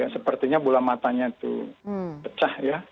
sepertinya bola matanya itu pecah ya